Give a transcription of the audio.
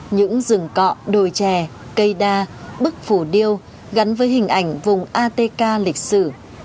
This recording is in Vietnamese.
những rừng cọ đồi trè cây đa bức phủ điêu gắn với hình ảnh vùng atk lịch sử